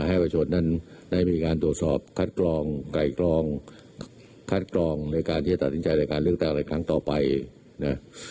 ให้ประชนนั้นได้มีการตรวจสอบคัดกรองไก่กรองคัดกรองในการที่จะตัดสินใจในการเลือกตั้งอะไรครั้งต่อไปนะ